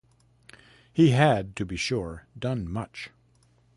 He had, to be sure, done much.